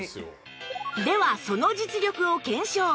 ではその実力を検証